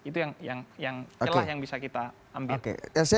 itu yang celah yang bisa kita ambil